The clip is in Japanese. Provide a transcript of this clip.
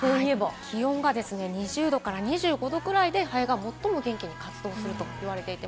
気温が２０度から２５度くらいでハエが最も元気に活動するといわれています。